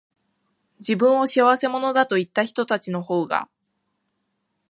自分を仕合せ者だと言ったひとたちのほうが、